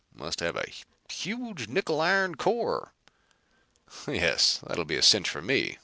Must have a huge nickel iron core." "Yes. It'll be a cinch for me.